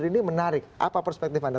wakil gubernur ini menarik apa perspektif anda